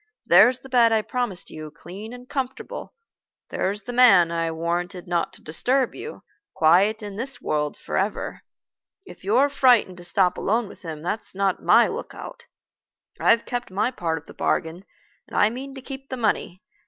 There's the bed I promised you, clean and comfortable. There's the man I warranted not to disturb you, quiet in this world forever. If you're frightened to stop alone with him, that's not my lookout. I've kept my part of the bargain, and I mean to keep the money.